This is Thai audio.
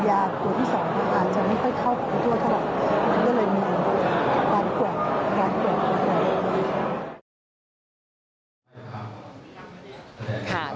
ยาตัวที่สองอาจจะไม่ค่อยเข้าภาพตัวข้อมันก็เลยมีบ้างกว่าง